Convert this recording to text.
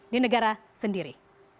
di negara sendiri